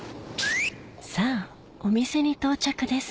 さぁお店に到着です